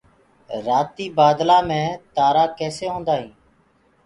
رآتيٚ بآدلآ مي تآرآ ڪيسي هوندآ هينٚ